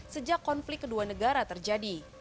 sejak konflik kedua negara terjadi